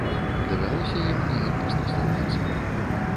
Давялося ім неяк прыстасоўвацца.